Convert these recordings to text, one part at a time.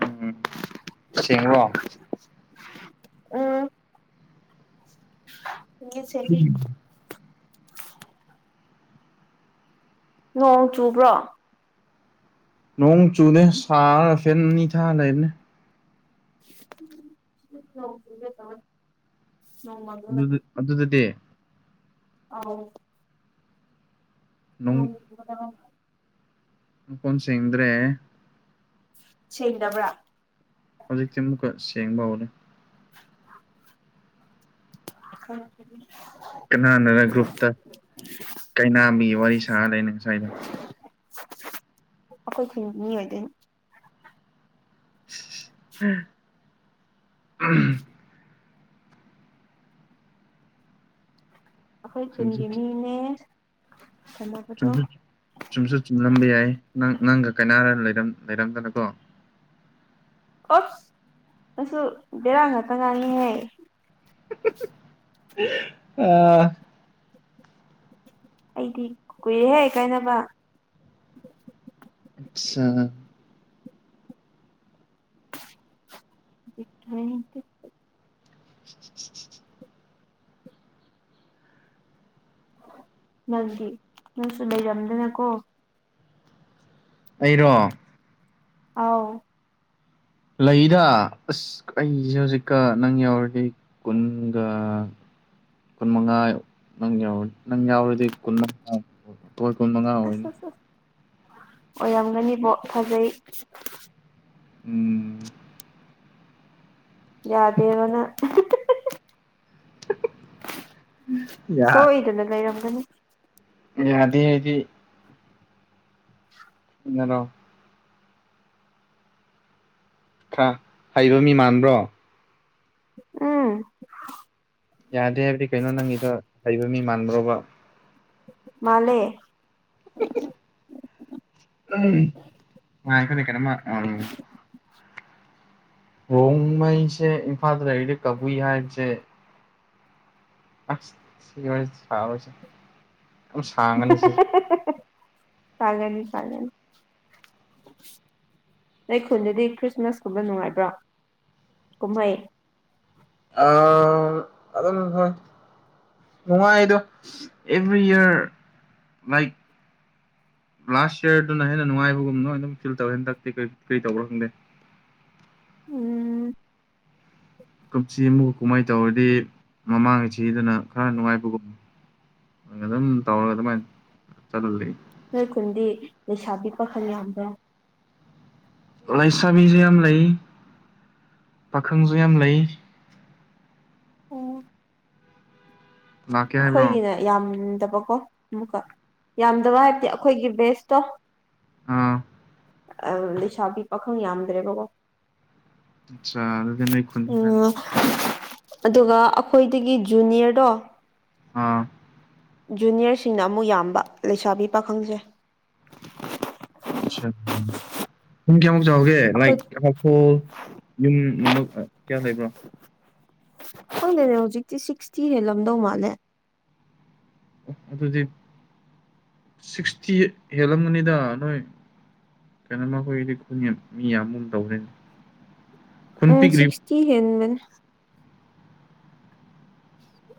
ꯎꯝ ꯁꯤꯣ ꯎꯝ ꯎ ꯁꯦ ꯅꯣꯡ ꯆꯨꯕ꯭ꯔꯣ ꯅꯣꯡ ꯆꯨꯅꯦꯦ ꯁꯥꯔ ꯐꯦꯠ ꯑꯅꯤ ꯊꯥ ꯂꯩꯔꯅꯦ ꯅꯣꯡ ꯆꯨꯒꯦ ꯇꯧꯋꯦ ꯅꯣꯡ ꯑꯗꯨꯗꯤ ꯑꯗꯨꯗꯤꯇꯦ ꯑ ꯎ ꯎ ꯀꯣꯟꯁꯤꯦꯡꯗ꯭ꯔꯦ ꯁꯦꯡꯗꯕ꯭ꯔꯥ ꯍꯧꯖꯤꯛꯇꯨꯛꯀ ꯁꯦꯡꯕꯕꯅꯦꯦ ꯈꯔ ꯀꯅꯥꯅꯅ ꯒ꯭ꯔꯨꯞꯇ ꯀꯩꯅꯥꯕꯤ ꯋꯥꯔꯤ ꯁꯥꯔ ꯂꯩꯅ ꯉꯁꯥꯏꯗ ꯑꯩꯈꯣꯏ ꯈꯅꯤ ꯑꯣꯏꯗ ꯎꯝ [inaudible] ꯑꯩꯈꯣꯏ ꯈꯨꯟꯒꯤ ꯃꯤꯅꯦ ꯆ ꯁꯥꯟꯅꯕꯗꯣ ꯆꯨꯝꯁꯨ ꯂꯕꯤꯦ ꯍꯥꯏ ꯅꯪ ꯅꯪꯒ ꯀꯩꯅꯥꯔ ꯂꯩꯔꯝꯗꯅꯀꯣ ꯑꯣꯞ ꯅꯁꯨ ꯕꯦꯔꯥꯡ ꯉꯥꯛꯇ ꯉꯥꯡꯅꯤꯍꯦ [inaudible] ꯑꯥ ꯑꯩꯗꯤ ꯀꯨꯏꯔꯦꯍꯦ ꯀꯥꯏꯅꯕ ꯑꯆꯥ ꯇ꯭ꯔꯦꯟ ꯇ [inaudible] ꯅꯪꯒꯤ ꯅꯪꯁꯨ ꯂꯩꯔꯝꯗꯅꯀꯣ ꯑꯩꯔꯣ ꯑꯥꯎ ꯂꯩꯗ ꯑꯁ ꯑꯩꯁꯦ ꯍꯧꯖꯤꯛꯀ ꯅꯪ ꯌꯥꯎꯔꯗꯤ ꯀꯨꯟꯒ ꯀꯨꯟ ꯃꯉꯥ ꯅꯪ ꯌꯥꯎ ꯅꯪ ꯌꯥꯎꯔꯗꯤ ꯀꯨꯟ ꯃꯉꯥ ꯇꯣꯏ ꯀꯨꯟ ꯃꯉꯥ ꯑꯁ ꯑꯣꯏꯅꯤ ꯑꯁ ꯑꯁ ꯑꯣꯏꯔꯝꯒꯅꯤꯕꯣ ꯐꯖꯩ ꯎꯝ ꯌꯥꯗꯦꯕꯅꯪ ꯌꯥ ꯁꯣꯏꯗꯅ ꯂꯩꯔꯝ ꯑꯗꯨ ꯌꯥꯗꯦ ꯑꯩꯗꯤ ꯏꯔꯣ ꯈ꯭ꯔ ꯍꯥꯏꯔꯣ ꯃꯤ ꯃꯥꯟꯕ꯭ꯔꯣ ꯎꯝ ꯌꯥꯗꯦ ꯍꯥꯏꯕ꯭ꯔꯤ ꯀꯩꯅꯣ ꯅꯪꯒꯤꯗꯣ ꯍꯩꯕ ꯃꯤ ꯃꯥꯟꯕ꯭ꯔꯣꯕ ꯃꯥꯂꯦ [unintelligible] ꯉꯥꯏꯈꯣꯅꯦ ꯀꯩꯅꯣꯝꯃ ꯔꯣꯡꯉꯩꯁꯦ ꯏꯝꯐꯥꯜꯗ ꯂꯩꯔꯤꯗꯤ ꯀꯕꯨꯏ ꯍꯥꯏꯕꯁꯦ ꯑ ꯁꯤ ꯁꯥꯥꯎꯁ [unintelligible] ꯄꯥꯒꯅꯤ ꯄꯥꯒꯅꯤ ꯑꯩ ꯈꯨꯟꯗꯗꯤ ꯈ꯭ꯔꯤꯁꯃꯥꯁꯀꯨꯝꯕ ꯅꯨꯡꯉꯥꯏꯕ꯭ꯔꯣ ꯀꯨꯝꯍꯩ ꯑꯗꯨꯝ ꯍꯣꯏ ꯅꯨꯡꯉꯥꯏꯗꯣ ꯑꯦꯚ꯭ꯔꯤ ꯏꯌꯥꯔ ꯂꯥꯏꯛ ꯂꯥꯁ ꯌꯌꯥꯔꯗꯨꯅ ꯍꯦꯟꯅ ꯅꯨꯡꯉꯥꯏꯕꯒꯨꯝꯅꯣ ꯑꯗꯨꯝ ꯐꯤꯜ ꯇꯧꯋꯦ ꯍꯦꯟ ꯇꯦ ꯀꯔꯤ ꯇꯧꯕ꯭ꯔꯣ ꯈꯪꯗꯦ ꯎꯝ ꯀꯨꯞꯁꯤ ꯑꯃ ꯀꯨꯝꯍꯩ ꯇꯧꯔꯗꯤ ꯃꯃꯥꯡꯉꯩꯁꯤꯗꯅ ꯈꯔ ꯅꯨꯡꯉꯥꯏꯕꯒꯨꯝ ꯑꯗꯨꯝ ꯇꯧꯔꯒ ꯑꯗꯨꯃꯥꯏꯅ ꯆꯠꯍꯜꯂꯤ ꯅꯣꯏ ꯈꯨꯟꯗꯤ ꯂꯩꯁꯥꯕꯤ ꯄꯥꯈꯜ ꯌꯥꯝꯕ꯭ꯔ ꯂꯩꯥꯏꯁꯥꯕꯤꯁꯨ ꯌꯥꯝ ꯂꯩ ꯄꯥꯈꯪꯁꯨ ꯌꯥꯝ ꯂꯩ ꯂꯥꯛꯀꯦ ꯍꯥꯏꯕ꯭ꯔꯣ ꯑꯩꯈꯣꯏꯒꯤꯅꯦ ꯌꯥꯝ ꯕꯀꯣ ꯑꯃꯨꯛꯀ ꯌꯥꯝꯗꯕ ꯍꯥꯏꯕꯗꯤ ꯑꯩꯈꯣꯏꯒꯤ ꯕꯦꯁꯇꯣ ꯑꯥ ꯂꯩꯁꯥꯕꯤ ꯄꯥꯈꯪ ꯌꯥꯝꯗ꯭ꯔꯦꯕꯀꯣ ꯑꯆꯥ ꯑꯗꯨ ꯈꯨꯟ ꯎꯝ ꯑꯗꯨꯒ ꯑꯩꯈꯣꯏꯗꯒꯤ ꯖꯨꯅꯤꯌꯔꯗꯣ ꯑꯥ ꯖꯨꯅꯤꯌꯔꯁꯤꯡꯅ ꯑꯃꯨꯛ ꯌꯥꯝꯕ ꯂꯩꯁꯥꯕꯤ ꯄꯥꯈꯪꯖꯩ ꯑꯠꯆꯥ [unintelligible] ꯆꯥꯎꯒꯦ ꯑꯩꯈꯣꯏ ꯂꯥꯏꯛ ꯍꯈꯣꯜ ꯌꯨꯝꯃꯛ ꯀꯌꯥ ꯂꯩꯕ꯭ꯔꯣ ꯈꯪꯗꯦꯅꯦ ꯍꯧꯖꯤꯛꯇꯤ ꯁꯤꯛꯁꯇꯤ ꯍꯦꯜꯂꯝꯗꯧ ꯃꯥꯜꯂꯦ ꯑꯣ ꯑꯗꯨꯗꯤ ꯁꯤꯛꯁꯇꯤ ꯍꯦꯜꯂꯝꯒꯅꯤꯗ ꯅꯣꯏ ꯀꯩꯅꯣꯃ ꯑꯩꯈꯣꯏꯒꯤꯗꯤ ꯈꯨꯟ ꯃꯤ ꯌꯥꯝ ꯇꯧꯔꯦꯅꯦ ꯎ ꯁꯤꯁꯇꯤ ꯍꯦꯟꯕꯅꯦ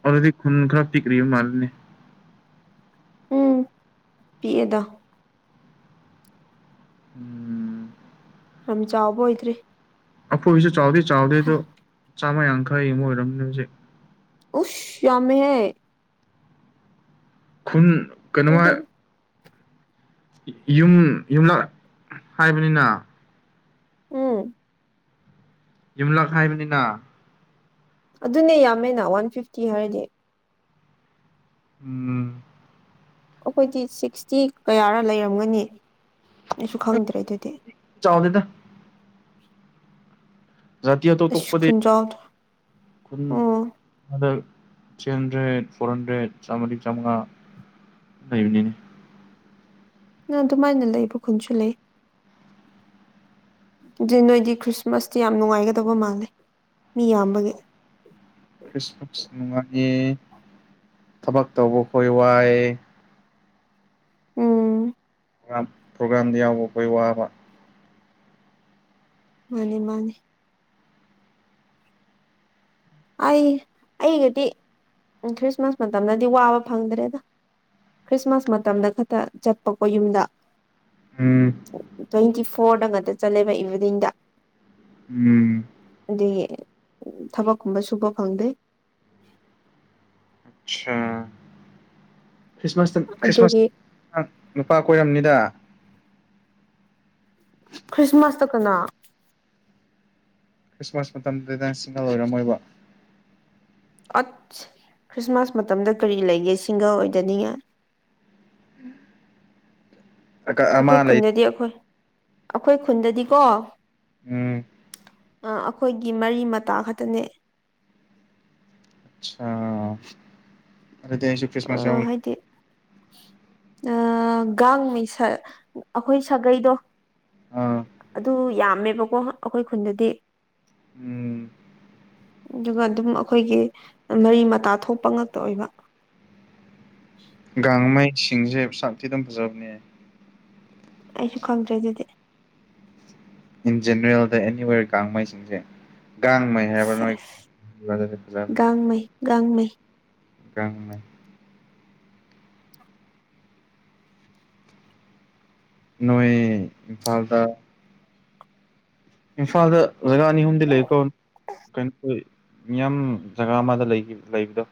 ꯑꯗꯨꯗꯤ ꯈꯨꯟ ꯈꯔꯄꯤꯛꯔꯤꯕ ꯃꯥꯜꯂꯦꯅꯦ ꯎꯝ ꯄꯤꯛꯑꯦꯗ ꯎꯝ ꯌꯥꯝ ꯆꯥꯎꯕ ꯑꯣꯏꯗ꯭ꯔꯤ ꯐꯣꯏꯁꯨ ꯆꯥꯎꯗꯦ ꯆꯥꯎꯗꯦ ꯑꯗꯣ ꯆꯥꯝꯃ ꯌꯥꯡꯈꯩ ꯑꯃ ꯑꯣꯏꯔꯝꯅꯦ ꯍꯧꯖꯤꯛ ꯎꯁ ꯌꯥꯃꯦꯍꯦ ꯈꯨꯟ ꯀꯩꯅꯃ ꯑꯗꯨꯗꯤ ꯌꯨꯝ ꯌꯨꯝꯂꯛ ꯍꯥꯏꯕꯅꯤꯅ ꯎꯝ ꯌꯨꯝꯂꯥ ꯈꯥꯏꯕꯅꯤꯅ ꯑꯗꯨꯅꯦ ꯌꯥꯝꯃꯦꯅ ꯋꯥꯟ ꯐꯤꯐꯇꯤ ꯍꯥꯏꯔꯗꯤ ꯎꯝ ꯑꯩꯈꯣꯏꯗꯤ ꯁꯤꯛꯁꯇꯤ ꯀꯌꯥꯔ ꯂꯩꯔꯝꯒꯅꯤ ꯅꯁꯨ ꯈꯪꯗ꯭ꯔꯦ ꯑꯗꯨꯗꯤ ꯆꯥꯎꯗꯦꯗ ꯖꯥꯇꯤ ꯑꯇꯧ ꯑꯁ ꯇꯣꯛꯄꯗꯤ ꯈꯨꯟꯖꯥꯎꯗꯣ ꯈꯨꯗꯛ ꯑꯣ ꯊ꯭ꯔꯤ ꯍꯟꯗ꯭ꯔꯦꯠ ꯐꯣꯔ ꯍꯟꯗ꯭ꯔꯦꯠ ꯆꯥꯝꯃꯔꯤ ꯆꯥꯝꯃꯉꯥ ꯂꯩꯕꯅꯤꯅꯦ ꯅꯪ ꯑꯗꯨꯃꯥꯏꯅ ꯂꯩ ꯃꯈ ꯈꯨꯟꯁꯨ ꯂꯩ ꯑꯗꯨꯗꯤ ꯅꯣꯏꯗꯤ ꯈ꯭ꯔꯤꯁꯃꯥꯁꯇꯤ ꯌꯥꯝ ꯅꯨꯡꯉꯥꯏꯒꯗꯕ ꯃꯥꯜꯂꯦ ꯃꯤ ꯌꯥꯝꯕꯒꯤ ꯈ꯭ꯔꯤꯁꯃꯥꯁ ꯅꯨꯡꯉꯥꯏꯏ ꯊꯕꯛ ꯇꯧꯕ ꯈꯈꯣꯏ ꯋꯥꯏ ꯎꯝ ꯄ꯭ꯔꯣꯒꯥ꯭ꯔꯥꯝꯗ ꯌꯥꯎꯕ ꯑꯩꯈꯣꯏ ꯋꯥꯕ ꯃꯥꯅꯦ ꯃꯥꯅꯦ ꯑꯩ ꯑꯩꯒꯗꯤ ꯈ꯭ꯔꯤꯁꯃꯥꯁ ꯃꯇꯝꯗꯗꯤ ꯋꯥꯕ ꯐꯪꯗ꯭ꯔꯦꯗ ꯈ꯭ꯔꯤꯁꯃꯥꯁ ꯃꯇꯝꯗ ꯈꯛꯇ ꯆꯠꯄꯀꯣ ꯌꯨꯝꯗ ꯎꯝ ꯊ [unintelligible] ꯐꯣꯔꯗ ꯉꯥꯛꯇ ꯆꯠꯂꯦꯕ ꯏꯚꯤꯅꯤꯡꯗ ꯎꯝ ꯎ ꯊꯕꯛ ꯀꯨꯝꯕ ꯁꯨꯕ ꯐꯪꯗꯦ ꯑꯆꯥ ꯈ꯭ꯔꯤꯁꯃꯥꯁꯇ ꯈ꯭ꯔꯤꯁꯃꯥꯁ ꯑꯗꯒꯤ ꯅꯨꯄꯥ ꯀꯣꯏꯔꯝꯅꯤꯗ ꯈ꯭ꯔꯤꯁꯃꯥꯁꯇ ꯀꯅꯥ ꯈ꯭ꯔꯤꯁꯃꯥꯁ ꯃꯇꯝꯗꯨꯗꯤ ꯅꯪ ꯁꯤꯡꯍ ꯑꯣꯏꯔꯝꯃꯣꯏꯕ ꯑꯠ ꯈ꯭ꯔꯤꯁꯃꯥꯁ ꯃꯇꯝꯗ ꯀꯔꯤ ꯂꯩꯒꯦ ꯁꯤꯡꯒꯜ ꯑꯣꯏꯗꯅꯤꯉ ꯑꯀ ꯑꯩꯈꯣꯏ ꯑꯃ ꯂꯩ ꯈꯨꯟꯗꯗꯤ ꯑꯩꯈꯣꯏ ꯑꯩꯈꯣꯏ ꯈꯨꯟꯗꯗꯤꯀꯣ ꯎꯝ ꯑꯩꯈꯣꯏꯒꯤ ꯃꯔꯤ ꯃꯇꯥ ꯈꯛꯇꯅꯦ ꯑꯆꯥ ꯑꯁꯨ ꯈ꯭ꯔꯤꯁꯃꯁ ꯌꯥ ꯑ ꯒꯥꯡ ꯃꯤ ꯑꯩꯈꯣꯏ ꯁꯥꯒꯩꯗꯣ ꯑꯥ ꯑꯗ ꯌꯥꯝꯃꯦꯕꯀꯣ ꯑꯩꯈꯣꯏ ꯈꯨꯟꯗꯗꯤ ꯎꯝ ꯑꯗꯨꯒ ꯑꯗꯨꯝ ꯑꯩꯈꯣꯏꯒꯤ ꯃꯔꯤ ꯃꯇꯥ ꯊꯣꯛꯄ ꯉꯛꯇ ꯑꯣꯏꯕ ꯥꯒꯥꯡꯃꯩꯁ ꯆꯤꯡꯁꯦ ꯁꯛ ꯑꯗꯨꯝ ꯐꯖꯕꯅꯦ꯫ ꯑꯩꯁꯨ ꯈꯪꯗ꯭ꯔꯦ ꯑꯗꯨꯗꯤ꯫ ꯖꯦꯅꯦꯔꯦꯜꯗ ꯑꯦꯅꯤꯋꯦꯔ ꯀꯥꯃꯩꯁꯤꯡꯁꯦ꯫ ꯥꯒꯥꯡꯃꯩ ꯍꯥꯏꯕ ꯁꯦꯁ ꯅꯣꯏ꯫ ꯒꯥꯡꯃꯩ ꯒꯥꯡꯃꯩ꯫ ꯒꯥꯡꯃꯩ꯫ ꯅꯣꯏ ꯏꯝꯐꯥꯜꯗ꯫ ꯏꯝꯐꯥꯜꯗ꯫ ꯅꯣꯏꯕꯥ ꯑꯅꯤ ꯑꯍꯨꯝꯗꯤ ꯂꯩꯀꯣ ꯀꯩꯅꯣ꯫ ꯃꯤꯌꯥꯝ ꯖꯒꯥ ꯑꯃꯗ ꯂꯩ ꯂꯩꯕꯗꯣ꯫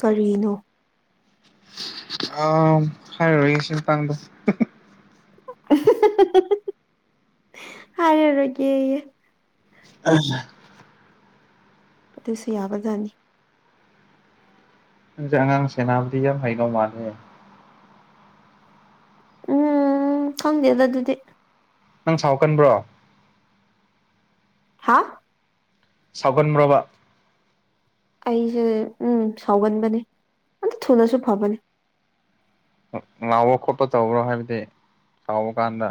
ꯀꯔꯤꯅꯣ꯫ ꯑ ꯍꯥꯏꯔ ꯑꯣꯏꯒꯦꯁꯤ ꯃꯥꯇꯥꯡꯗ꯫ ꯍꯥꯏꯔꯔꯣꯏ ꯒꯦꯌꯦ꯫ ꯑ꯫ ꯑꯗꯨꯁꯨ ꯌꯥꯕꯥ ꯖꯥꯠꯅꯤ꯫ ꯅꯪꯁꯦ ꯑꯉꯥꯡ ꯁꯦꯅꯥꯕꯗꯤ ꯌꯥꯝ ꯍꯩꯗꯣꯏ ꯃꯥꯜꯂꯦ꯫ ꯎꯝ ꯈꯪꯗꯦꯗ ꯑꯗꯨꯗꯤ꯫ ꯅꯪ ꯁꯥꯎꯀꯟꯕ꯭ꯔꯣ꯫ ꯍꯥ꯫ ꯁꯥꯎꯒꯟꯕꯔ꯭ꯑꯣꯕꯥ꯫ ꯑꯩꯁꯦ ꯎꯝ ꯁꯥꯎꯒꯟꯕꯅꯤ ꯑꯗꯨ ꯊꯨꯅꯁꯨ ꯐꯕꯅꯤ꯫ ꯂꯥꯎꯕ ꯈꯣꯠꯄ ꯇꯧꯕ꯭ꯔꯣ ꯍꯥꯏꯕꯗꯤ ꯁꯥꯎꯕ ꯀꯥꯟꯗ꯫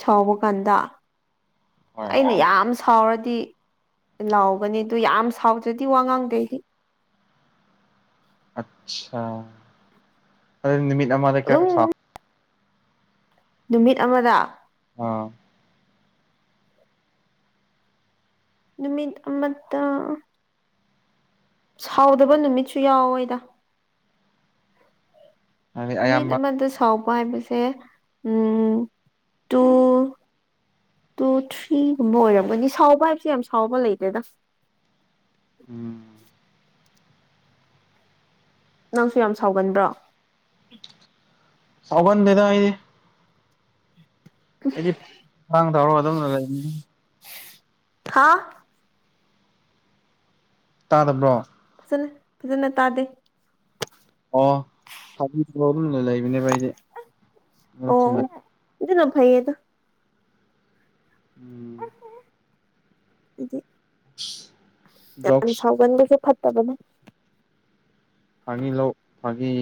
ꯁꯥꯎꯕ ꯀꯥꯟꯗ꯫ ꯑꯩꯅ ꯌꯥꯝ ꯁꯥꯎꯔꯗꯤ꯫ ꯗꯤ ꯂꯥꯎꯒꯅꯤ ꯑꯗꯨ ꯌꯥꯝ ꯁꯥꯎꯗ꯭ꯔꯗꯤ ꯋꯥ ꯉꯥꯡꯗꯦ ꯑꯩ꯫ ꯑꯆꯥ ꯑꯗꯨ ꯅꯨꯃꯤꯠ꯫ ꯏ ꯃꯥꯗ ꯀꯌꯥ ꯑꯗꯨꯝ ꯁꯥ꯫ ꯅꯨꯃꯤꯠ ꯑꯃꯗ꯫ ꯑ꯫ ꯅꯨꯃꯤꯠ ꯑꯃꯗ꯫ ꯁꯥꯎꯗꯕ ꯅꯨꯃꯤꯠꯁꯨ ꯌꯥꯎꯋꯦꯗ꯫ ꯍꯥꯏꯗꯤ ꯅꯨꯃꯤꯠ ꯑꯌꯥꯝꯕ ꯑꯃꯗ ꯁꯥꯎ꯫ ꯍꯥꯏꯕꯁꯦ ꯎꯝ ꯇꯨ ꯇꯨ ꯊ꯭ꯔꯤꯒꯨꯝꯕ ꯑꯣꯏꯔꯝꯒꯅꯤ ꯁꯥꯎꯕ ꯍꯥꯏꯕꯁꯦ ꯌꯥꯝ ꯁꯥꯎꯕ ꯂꯩꯇꯦꯗ꯫ ꯎꯝ꯫ ꯅꯪꯁꯨ ꯌꯥꯝ ꯁꯥꯎꯒꯟꯕ꯭ꯔꯣ꯫ ꯁꯥꯎꯒꯟꯗꯦꯗ ꯑꯩ꯫ ꯑꯩꯗꯤ ꯊꯥꯡ ꯊꯧꯔꯒ ꯑꯗꯨꯝꯅ ꯂꯩꯅꯤ꯫ ꯍꯥ꯫ ꯇꯥꯗꯕ꯭ꯔꯣ꯫ ꯐꯖꯅ ꯐꯖꯅ ꯇꯥꯗꯦ꯫ ꯑꯣ ꯍꯕꯤꯌꯣ꯫ ꯄꯨꯟꯅꯥ ꯂꯩꯕꯅꯦꯕꯥ ꯑꯩꯗꯤ꯫ ꯑꯣ ꯑꯗꯨꯅ ꯐꯩꯌꯦꯗꯥ꯫ ꯎꯝ [unintelligible] ꯌꯥꯝ ꯖꯣꯛꯁ ꯁꯥꯎꯒꯟꯕꯁꯨ ꯐꯠꯇꯦ ꯇꯕꯅꯦ ꯐꯪꯉꯤ ꯂꯧ ꯐꯥꯉꯤ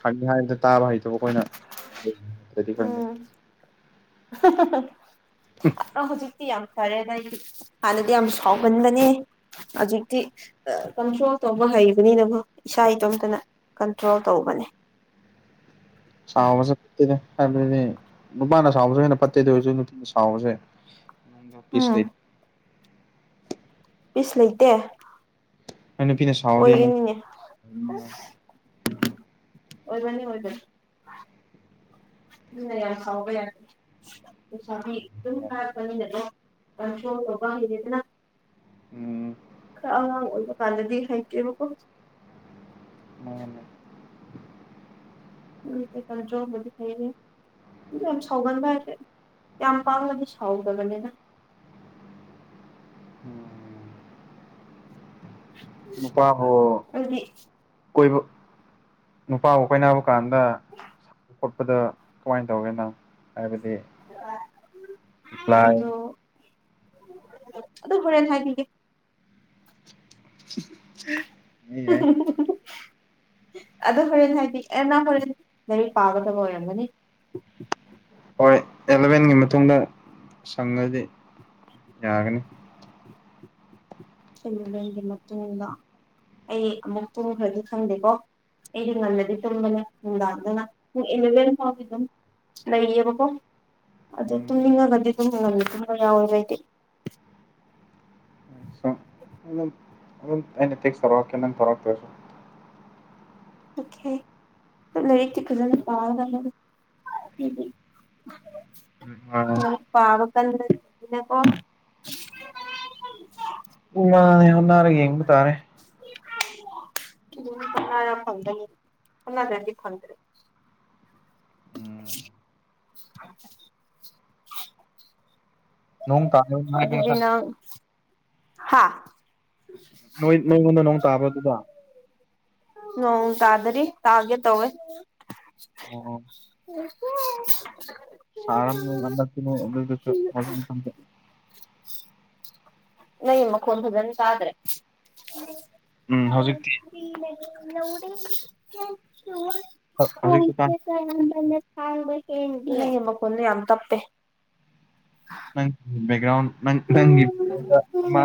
ꯐꯪꯉꯤ ꯍꯥꯏꯕꯗ ꯇꯥꯕ ꯍꯩꯇꯕ ꯑꯩꯈꯣꯏꯅ ꯁꯗꯤ ꯈꯪꯗꯦ [unintelligible] ꯑꯥ ꯍꯧꯖꯤꯛ ꯖꯤꯛꯇꯤ ꯌꯥꯝ ꯐꯔꯦꯅ ꯑꯩ ꯍꯥꯟꯅꯗꯤ ꯌꯥꯝ ꯁꯥꯎꯍꯟꯕꯅꯦ ꯍꯧꯖꯤꯛꯇꯤ ꯀꯟꯇ꯭ꯔꯣꯜ ꯇꯧꯕ ꯍꯩꯕꯅꯤꯅꯕꯨ ꯏꯁꯥ ꯏꯇꯣꯝꯇꯅ ꯀꯟꯇ꯭ꯔꯣꯜ ꯇꯧꯕꯅꯦ ꯁꯥꯎꯕꯁꯦ ꯐꯠꯇꯦꯗ ꯍꯥꯏꯕꯗꯤ ꯅꯨꯄꯥꯅ ꯁꯥꯎꯕꯁꯨꯦ ꯍꯦꯟꯅ ꯄꯠꯇꯩ ꯑꯣꯏꯔꯁꯨ ꯅꯨꯄꯤꯅ ꯁꯥꯎꯕꯁꯦ ꯎꯝ [unintelligible] ꯄꯤꯁ ꯂꯩꯇꯦ ꯍꯣꯏ ꯅꯨꯄꯤꯅ ꯁꯥꯎꯔꯗꯤ ꯑꯃꯨꯛ ꯑꯣꯏꯅꯤ ꯑꯣꯏꯕꯅꯤ ꯑꯣꯏꯕꯅꯤ ꯑꯗꯨꯅ ꯌꯥꯝ ꯁꯥꯎꯕ ꯌꯥꯗꯦ [unintelligible] ꯀꯟꯇ꯭ꯔꯣꯟ ꯇꯧꯕ ꯍꯩꯔꯦꯗꯅꯥ ꯎꯝ ꯈꯔ ꯑꯉꯥꯡ ꯑꯣꯏꯕ ꯀꯥꯟꯕꯗꯤ ꯍꯩꯇꯦꯕꯀꯣ꯫ ꯃꯥꯅꯦ꯫ ꯀꯟꯇ꯭ꯔꯣꯕꯨꯗꯤ ꯍꯩꯔꯦ ꯑꯗꯨ ꯌꯥꯝ ꯁꯥꯎꯒꯟꯕ ꯍꯥꯏꯁꯦ ꯌꯥꯝ ꯄꯥꯡꯅꯗꯤ ꯁꯥꯎꯗꯕꯅꯦꯗ꯫ ꯅꯨꯄꯥ ꯍꯣ ꯑꯩꯗꯤ ꯀꯣꯏꯕ ꯅꯨꯄꯥꯕꯨ ꯀꯣꯏꯅꯕ ꯀꯥꯟꯗ ꯈꯣꯠꯄꯗ ꯀꯃꯥꯏꯅ ꯇꯧꯒꯦ ꯅꯪ꯫ ꯍꯥꯏꯕꯗꯤ ꯄ꯭ꯂꯥꯏ ꯑꯗꯣ ꯑꯗꯨ ꯍꯣꯔꯦꯟ ꯍꯥꯏꯕꯤꯒꯦ꯫ [unintelligible] ꯌꯥꯏ-ꯌꯥꯏ꯫ ꯑꯗꯣ ꯍꯣꯔꯦꯟ ꯍꯥꯏꯕꯤ ꯑꯩ ꯅꯪ ꯍꯣꯔꯦꯟ ꯂꯥꯏꯔꯤꯛ ꯄꯥꯒꯗꯕ ꯑꯣꯏꯔꯝꯒꯅꯤ꯫ ꯍꯣꯏ ꯑꯦꯂꯚꯦꯟꯒꯤ ꯃꯇꯨꯡꯗ ꯁꯪꯑꯗꯤ ꯌꯥꯒꯅꯤ꯫ ꯑꯦꯂꯨꯚꯦꯟꯒꯤ ꯃꯇꯨꯡꯗ ꯑꯩ ꯑꯃꯨꯛ ꯇꯨꯝꯈ꯭ꯔꯗꯤ ꯈꯪꯗꯦꯀꯣ ꯑꯩꯗꯤ ꯉꯟꯅꯗꯤ ꯇꯨꯝꯕꯅꯦ ꯅꯨꯡꯗꯥꯡꯗꯅ ꯄꯨꯡ ꯑꯦꯂꯚꯦꯟ ꯐꯥꯎꯗꯤ ꯑꯗꯨꯝ ꯂꯩꯔꯤꯑꯦꯕꯀꯣ꯫ ꯑꯗꯨ ꯎꯝ ꯇꯨꯝꯅꯤꯡꯑꯒꯗꯤ ꯗꯨꯡ ꯉꯟꯅ ꯑꯃ ꯌꯥꯎꯋꯦꯕ ꯑꯩꯗꯤ꯫ ꯁꯨ ꯑꯗꯨꯝ ꯑꯗꯨꯝ ꯑꯩꯅ ꯇꯦꯛꯁ ꯇꯧꯔꯀꯦ ꯅꯪ ꯇꯧꯔꯛꯇ꯭ꯔꯁꯨ꯫ ꯑꯣꯀꯦ ꯂꯥꯏꯔꯤꯛꯇꯤ ꯐꯖꯅ ꯄꯥꯒꯗꯕꯅꯦ꯫ ꯂꯥꯏꯔꯤꯛ ꯄꯥꯔꯣ꯫ [unintelligible] [unintelligible] ꯅꯥꯔ ꯌꯦꯡꯕ ꯇꯥꯔꯦ [unintelligible] ꯎꯝ [inaudible] [unintelligible] ꯅꯣꯡ ꯇꯥ [unintelligible] ꯍꯥꯥ ꯅꯣꯏ ꯅꯣꯏꯉꯣꯟꯗ ꯅꯣꯡ ꯇꯥꯕ꯭ꯔꯥ ꯑꯗꯨꯗ꯫ ꯅꯣꯡ ꯇꯥꯗꯔꯤ ꯇꯥꯒꯦ ꯇꯧꯋꯦ꯫ [unintelligible] ꯁꯥꯔꯝꯑꯅꯤ ꯍꯟꯗꯛꯇꯤ ꯅꯣꯏ ꯑꯗꯨꯗꯁꯨ꯫ [unintelligible] ꯅꯪꯒꯤ ꯃꯈꯣꯟ ꯐꯖꯅꯥ ꯇꯥꯗ꯭ꯔꯦ꯫ [unintelligible] [unintelligible] ꯎꯝ ꯍꯧꯖꯤꯛꯇꯤ ꯍꯧꯖꯤꯛꯁꯨ ꯀꯥꯟ [unintelligible] ꯅꯪꯒꯤ ꯃꯈꯣꯟꯗꯣ ꯌꯥꯝ ꯇꯞꯄꯦ꯫ ꯅꯪ ꯕꯦꯛꯒ꯭ꯔꯥꯎꯟ ꯅꯪꯒꯤꯗ ꯑꯃ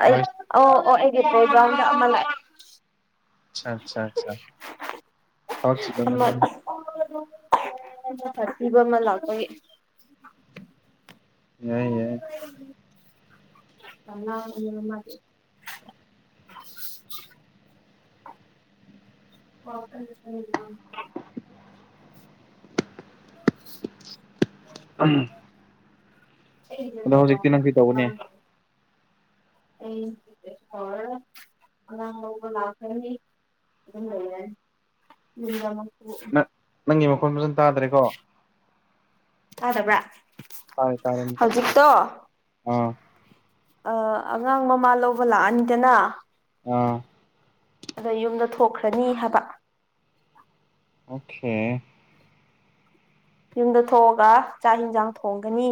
ꯑꯩ ꯅꯣꯏ [unintelligible] ꯑꯆꯥ ꯑꯆꯥ ꯑꯆꯥ [unintelligible] ꯐꯁꯤꯕ ꯑꯃ ꯂꯥꯛꯄꯩ ꯌꯥꯏ ꯌꯥꯏ [unintelligible] ꯑ [unintelligible] ꯃꯥꯗꯤ [unintelligible] ꯎꯝ [unintelligible] ꯑꯩ [unintelligible] ꯂꯥꯛꯈ꯭ꯔꯅꯤ [unintelligible] ꯅꯪ [unintelligible] ꯐꯣꯟ ꯐꯖꯅꯥ ꯇꯥꯗ꯭ꯔꯦꯀꯣ ꯇꯥꯗꯕ꯭ꯔꯥ ꯇꯥꯔꯦ ꯇꯥꯔꯦ ꯑꯃꯨꯛꯀꯥ ꯍꯧꯖꯤꯛꯇꯣ ꯑ ꯑꯉꯥꯡ ꯃꯃꯥ ꯂꯧꯕ ꯂꯥꯛꯑꯅꯤꯗꯅ ꯑ ꯑꯗ ꯌꯨꯝꯗ ꯊꯣꯛꯈ꯭ꯔꯅꯤ ꯍꯥꯏꯕ ꯑꯣꯀꯦ ꯌꯨꯝꯗ ꯊꯣꯛꯑꯒ ꯆꯥꯛ ꯌꯦꯟꯁꯥꯡ ꯊꯣꯡꯒꯅꯤ